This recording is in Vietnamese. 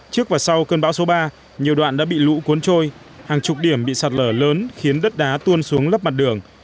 trước và sau cơn bão số ba nhiều đoạn đã bị lũ cuốn trôi hàng chục điểm bị sạt lở lớn khiến đất đá tuôn xuống lấp mặt đường